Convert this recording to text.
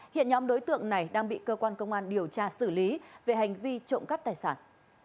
hiện nhóm đối tượng này đang bị cơ quan công an điều tra xử lý về hành vi trộm cắp tài sản